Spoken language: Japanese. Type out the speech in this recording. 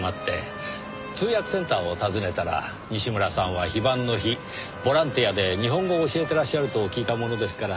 通訳センターを訪ねたら西村さんは非番の日ボランティアで日本語を教えてらっしゃると聞いたものですから。